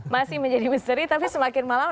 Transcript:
masih menjadi misteri tapi semakin malam